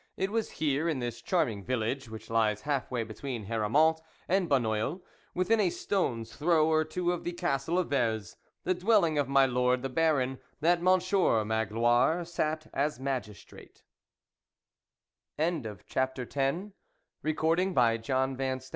It was here, in this charming village, which lies half way between Haramont and Bonneuil, within a stone's throw or two of the Castle o Vez, the dwelling of my lord the Baron that Monsieur Magloire sat as magistrate CHAPTER XI DAVID AND GOLIATH.